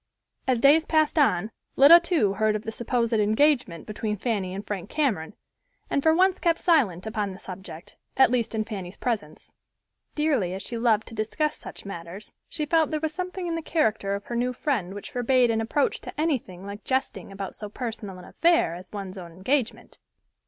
As days passed on Lida too heard of the supposed engagement between Fanny and Frank Cameron, and for once kept silent upon the subject, at least in Fanny's presence. Dearly as she loved to discuss such matters, she felt there was something in the character of her new friend which forbade an approach to anything like jesting about so personal an affair as one's own engagement.